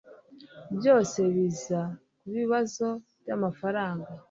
byose biza kubibazo byamafaranga